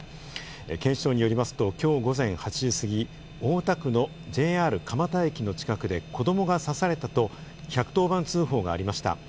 警視庁によりますと今日午前８時過ぎ、大田区のＪＲ蒲田駅の近くで、子供が刺されたと１１０番通報がありました。